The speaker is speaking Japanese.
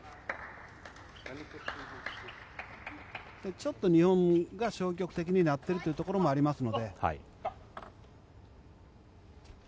ちょっと日本が消極的になってるというところもありますので。